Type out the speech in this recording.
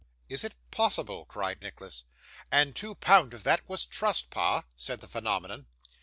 'Is it possible?' cried Nicholas. 'And two pound of that was trust, pa,' said the phenomenon.